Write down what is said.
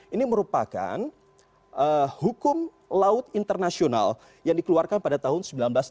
ini merupakan hukum laut internasional yang dikeluarkan pada tahun seribu sembilan ratus sembilan puluh